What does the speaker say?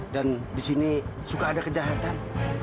dan di sini suka ada kejahatan